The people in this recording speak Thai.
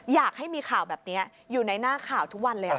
อยากให้มีข่าวแบบนี้อยู่ในหน้าข่าวทุกวันเลย